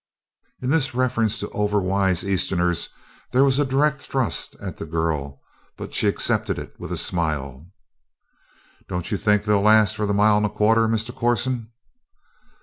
In this reference to over wise Easterners there was a direct thrust at the girl, but she accepted it with a smile. "Don't you think they'll last for the mile and a quarter, Mr. Corson?"